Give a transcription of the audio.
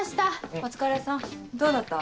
お疲れさんどうだった？